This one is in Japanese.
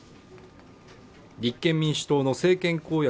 立憲民主党の政権公約